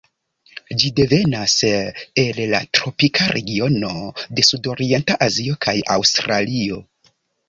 Ĝi devenas el la tropika regiono de Sudorienta Azio kaj Aŭstralio.